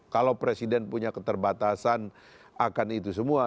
kalau presiden punya keterbatasan akan itu semua